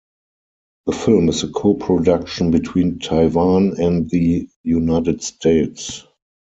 The film is a co-production between Taiwan and the United States.